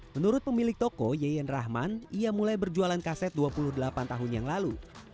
menurut pemilik toko yeyen rahman ia mulai berjualan kaset dua puluh delapan tahun yang lalu